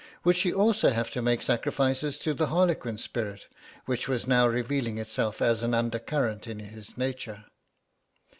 Would she also have to make sacrifices to the harlequin spirit which was now revealing itself as an undercurrent in his nature?